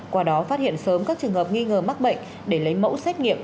qua đó phát hiện sớm các trường hợp nghi ngờ mắc bệnh để lấy mẫu xét nghiệm